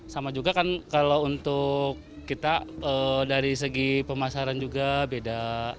sama juga kan kalau untuk kita dari segi pemasaran juga beda